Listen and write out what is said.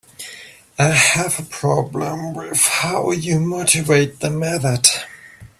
I have a problem with how you motivate the method.